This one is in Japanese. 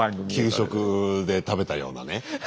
給食で食べたようなね。